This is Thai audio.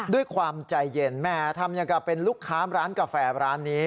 ด้วยความใจเย็นแม่ทำอย่างกับเป็นลูกค้าร้านกาแฟร้านนี้